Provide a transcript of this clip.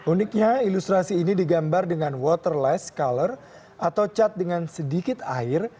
uniknya ilustrasi ini digambar dengan waterless color atau cat dengan sedikit air